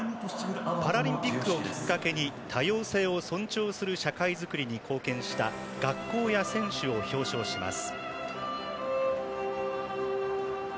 パラリンピックをきっかけに多様性を尊重する社会作りに貢献した学校や選手を表彰します。